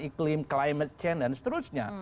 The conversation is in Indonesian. iklim climate change dan seterusnya